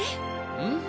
うん。